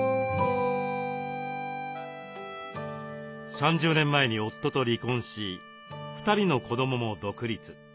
３０年前に夫と離婚し２人の子どもも独立。